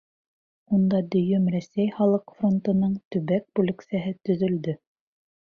Унда Дөйөм Рәсәй халыҡ фронтының төбәк бүлексәһе төҙөлдө.